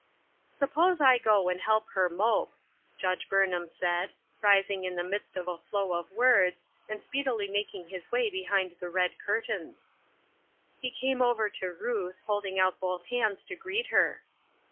" Suppose I go and help her mope," Judge Burnham said, rising in the midst of a flow of words, and speedily making his way behind the red curtains. He came over to Ruth, holding out both hands to greet her.